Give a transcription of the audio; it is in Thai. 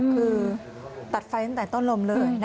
คือตัดไฟตั้งแต่ต้นลมเลย